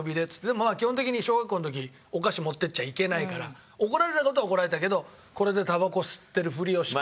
でも基本的に小学校の時お菓子持ってっちゃいけないから怒られた事は怒られたけどこれでたばこ吸ってるふりをして。